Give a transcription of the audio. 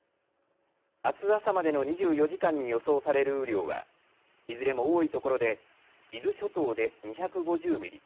あす朝までの２４時間に予想される雨量はいずれも多いところで伊豆諸島で２５０ミリ